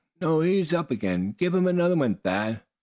No, he's up again! Give him another, Thad!